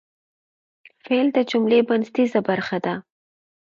فعل د جملې بنسټیزه برخه ده.